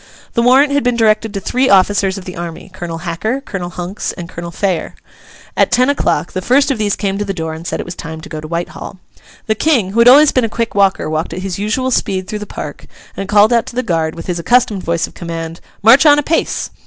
The warrant had been directed to three officers of the army, Colonel Hacker, Colonel Hunks, and Colonel Phayer. At ten o'clock, the first of these came to the door and said it was time to go to Whitehall. The King, who had always been a quick walker, walked at his usual speed through the Park, and called out to the guard, with his accustomed voice of command, 'March on apace!